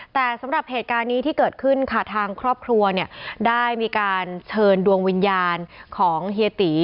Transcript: แต่สำหรับเหตุการณ์นี้ที่เกิดขึ้นค่ะทางครอบครัวเนี่ยได้มีการเชิญดวงวิญญาณของเฮียตี